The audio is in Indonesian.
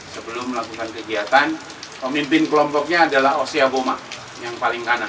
sebelum melakukan kegiatan pemimpin kelompoknya adalah oce aboma yang paling kanan